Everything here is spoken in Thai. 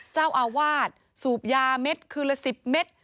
เจ้าอาวาสสูบยาเม็ดคืนละ๑๐เม็ด